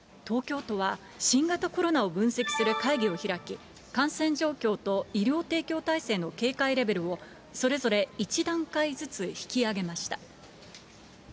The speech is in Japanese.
東京都は新型コロナを分析する会議を開き、感染状況と医療提供体制の警戒レベルを、それぞれ１段階ずつ引き上げました。